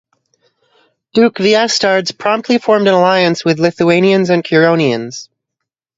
Duke Viestards promptly formed an alliance with Lithuanians and Curonians.